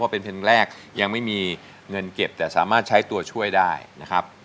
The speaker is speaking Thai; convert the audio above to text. เป็นเพลงแรกยังไม่มีเงินเก็บแต่สามารถใช้ตัวช่วยได้นะครับ